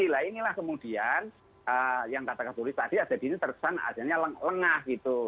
nah inilah kemudian yang kata kapolri tadi jadi ini tersesat adanya lengah gitu